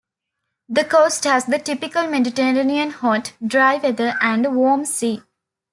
The coast has the typical Mediterranean hot, dry weather and warm sea.